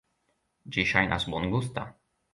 Ĝi ŝajnas bongusta.